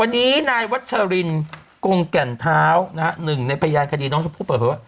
วันนี้นายวัชรินกงแก่นเท้านะฮะหนึ่งในพยานคดีน้องชมพู่เปิดเผยว่า